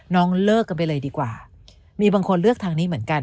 เลิกกันไปเลยดีกว่ามีบางคนเลือกทางนี้เหมือนกัน